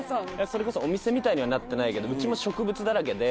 それこそお店みたいにはなってないけどうちも植物だらけで。